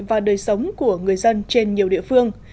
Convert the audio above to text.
và đời sống của người dân trên nhiều địa phương